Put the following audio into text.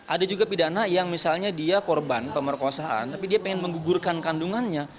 ada juga pidana yang misalnya dia korban pemerkosaan tapi dia ingin menggugurkan kandungannya